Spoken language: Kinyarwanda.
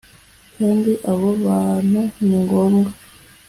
kandi abo bantu ni ngombwa